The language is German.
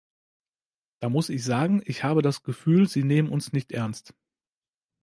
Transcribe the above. Da muss ich sagen, ich habe das Gefühl, Sie nehmen uns nicht ernst.